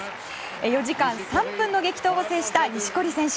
４時間３分の激闘を制した錦織選手。